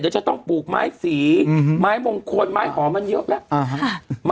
เดี๋ยวจะต้องปลูกไม้สีไม้มงคลไม้หอมมันเยอะแล้ว